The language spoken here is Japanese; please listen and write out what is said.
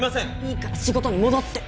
いいから仕事に戻って。